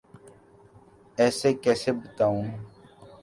ایسے کیسے بتاؤں؟